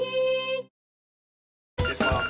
失礼します。